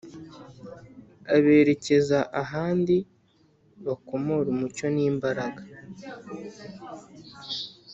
aberekeza ahandi bakomora umucyo n’imbaraga